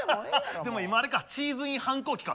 でも今あれかチーズイン反抗期か。